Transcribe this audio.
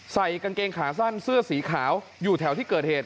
ใส่กางเกงขาสั้นเสื้อสีขาวอยู่แถวที่เกิดเหตุ